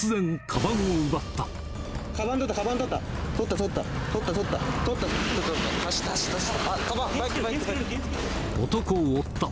かばんとった、かばんとった。